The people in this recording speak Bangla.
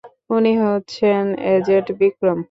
উনি হচ্ছেন এজেন্ট বিক্রম।